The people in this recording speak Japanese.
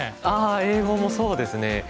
ああ英語もそうですね。